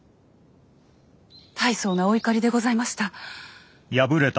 大層なお怒りでございました。